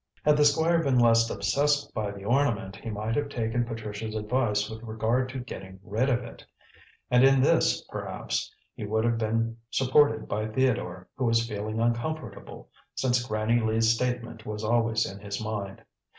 Had the Squire been less obsessed by the ornament, he might have taken Patricia's advice with regard to getting rid of it. And in this, perhaps, he would have been supported by Theodore, who was feeling uncomfortable, since Granny Lee's statement was always in his mind.